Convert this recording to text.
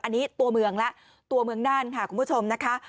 อันนี้ตัวเมืองแล้วตัวเมืองน่านค่ะคุณผู้ชมนะคะ